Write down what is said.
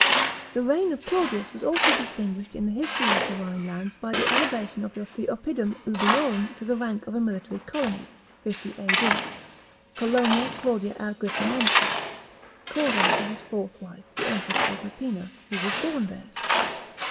The reign of Claudius was also dis tinguished in the history of the Rhine lands by the elevation of the Oppidum Ubiorum to the rank of a military colony (50 A.D.), — Colonia^ Claudia Agrippinensis, called after his fourth wife the Empress Agrippina, who was born there.